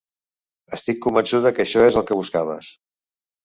Estic convençuda que això és el que buscaves.